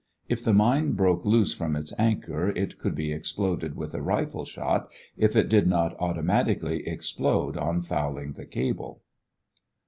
If the mine broke loose from its anchor it could be exploded with a rifle shot if it did not automatically explode on fouling the cable.